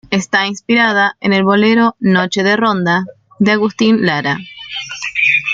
Está inspirada en el bolero "Noche de Ronda", de Agustín Lara.